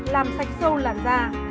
làm sạch sâu làn da